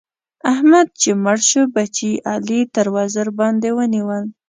احمد چې مړ شو؛ بچي يې علي تر وزر باندې ونيول.